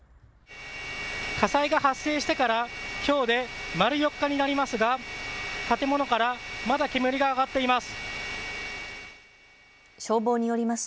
火災が発生してからきょうで丸４日になりますが建物からまだ煙が上がっています。